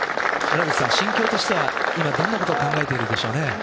心境としては今どんなことを考えているでしょうね。